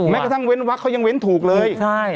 กระทั่งเว้นวักเขายังเว้นถูกเลย